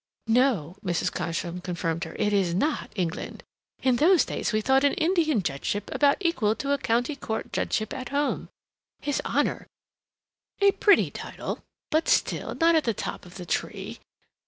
"No," Mrs. Cosham confirmed her, "it is not England. In those days we thought an Indian Judgeship about equal to a county court judgeship at home. His Honor—a pretty title, but still, not at the top of the tree.